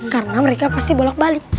karena mereka pasti bolak balik